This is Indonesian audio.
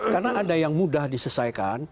karena ada yang mudah diselesaikan